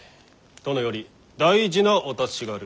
殿より大事なお達しがある。